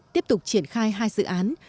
tiếp tục triển khai hai dự án